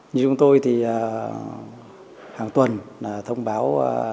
như chúng tôi thì hàng tuần là thông báo